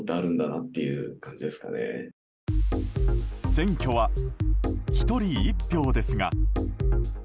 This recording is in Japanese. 選挙は１人１票ですが。